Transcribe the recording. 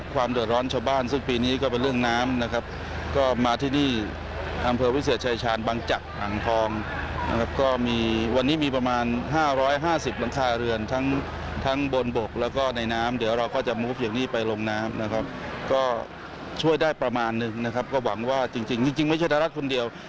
ก็ช่วยได้ประมาณนึงนะครับก็หวังว่าจริงจริงไม่ใช่รัฐรัฐคนเดียว